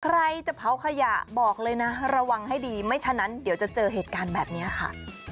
ใครจะเผาขยะบอกเลยนะระวังให้ดีไม่ฉะนั้นเดี๋ยวจะเจอเหตุการณ์แบบนี้ค่ะ